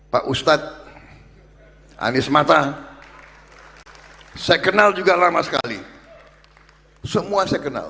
pak ustadz anies mata saya kenal juga lama sekali semua saya kenal